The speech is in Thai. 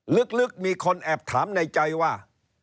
ลึกมีคนแอบถามในใจว่า